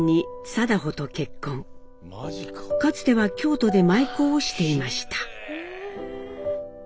かつては京都で舞妓をしていました。